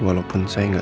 walaupun saya gak tahu